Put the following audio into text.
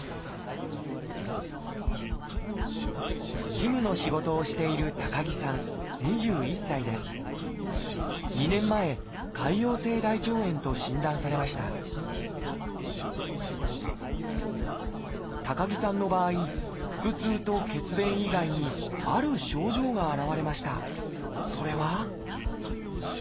事務の仕事をしていると診断されました高木さんの場合腹痛と血便以外にある症状が現れました。